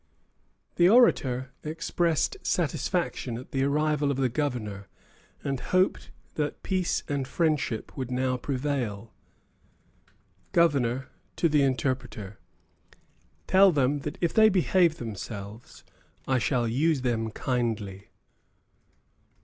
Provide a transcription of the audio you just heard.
The orator expressed satisfaction at the arrival of the governor, and hoped that peace and friendship would now prevail. GOVERNOR (to the interpreter). Tell them that if they behave themselves, I shall use them kindly.